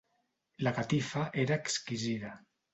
La catifa era exquisida.